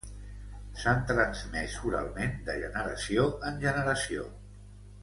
s'ha transmès oralment de generació en generació